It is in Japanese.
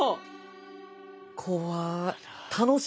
怖い。